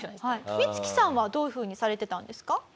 光輝さんはどういうふうにされてたんですか？